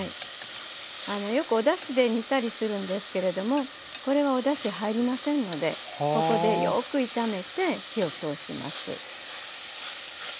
あのよくおだしで煮たりするんですけれどもこれはおだし入りませんのでここでよく炒めて火を通します。